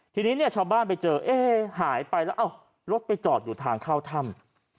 ทีนี้เนี่ยชาวบ้านไปเจอเอ๊หายไปแล้วรถไปจอดอยู่ทางเข้าถ้ำ